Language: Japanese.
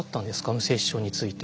無精子症について。